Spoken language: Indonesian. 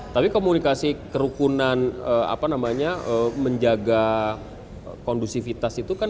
tapi komunikasi kerukunan apa namanya menjaga kondusivitas itu kan